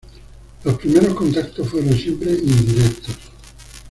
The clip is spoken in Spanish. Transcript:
Los primeros contactos fueron siempre indirectos.